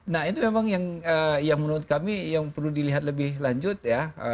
nah itu memang yang menurut kami yang perlu dilihat lebih lanjut ya